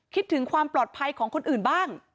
คิดถึงความปลอดภัยของคนอื่นบ้าง